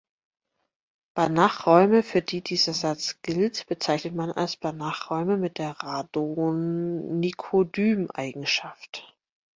Banachräume, für die dieser Satz gilt, bezeichnet man als "Banachräume mit der Radon-Nikodym-Eigenschaft".